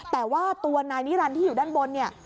แต่ว่าตัวนายนิรันดิ์ที่อยู่ด้านบนเนี่ย